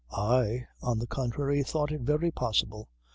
I, on the contrary, thought it very possible.